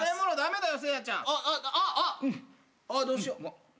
あっあっどうしよう。